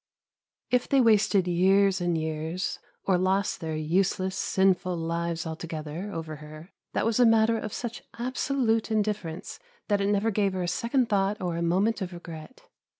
If they wasted years and years, or lost their useless, sinful lives altogether, over her, that was a matter of such absolute indifference that it never gave her a second thought or a moment of regret.